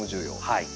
はい。